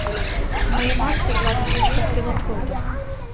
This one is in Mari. — Мыйымат тетла тышеч поктен от колто.